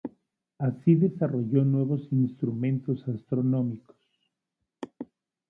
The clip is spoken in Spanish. Así desarrolló nuevos instrumentos astronómicos.